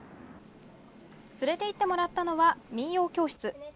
連れていってもらったのは民謡教室。